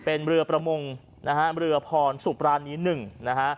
เป็นเรือประมงนะฮะเรือพรสุปรานี๑นะฮะ